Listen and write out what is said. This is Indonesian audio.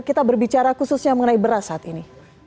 kita berbicara khususnya mengenai beras saat ini